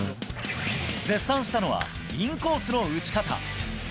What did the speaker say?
絶賛したのは、インコースの打ち方。